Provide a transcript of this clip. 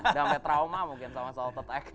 udah sampai trauma mungkin sama salt attack